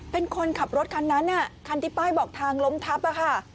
เป็นคนขับรถคันนั้นคันที่ป้ายบอกทางล้มทับอะค่ะ